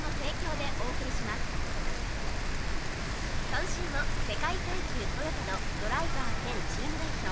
今週も世界耐久トヨタのドライバー兼チーム代表